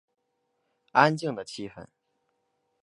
安静的气氛